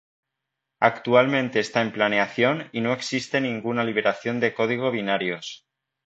Actualmente está en planeación y no existe ninguna liberación de código o binarios.